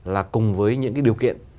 là cùng với những cái điều kiện